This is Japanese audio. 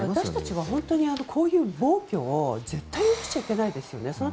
私たちはこういう暴挙を絶対に許しちゃいけないですよね。